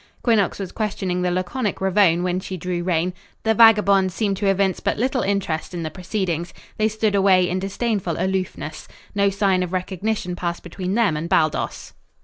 Quinnox was questioning the laconic Ravone when she drew rein. The vagabonds seemed to evince but little interest in the proceedings. They stood away in disdainful aloofness. No sign of recognition passed between them and Baldos.